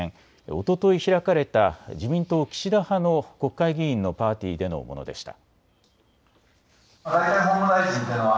おととい開かれた自民党岸田派の国会議員のパーティーでのものでした。